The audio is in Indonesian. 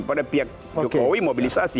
pada pihak jokowi mobilisasi